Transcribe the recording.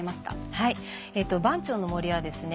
はい番町の森はですね